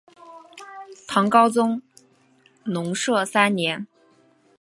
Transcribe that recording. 唐高宗龙朔三年。